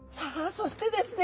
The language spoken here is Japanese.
そしてですね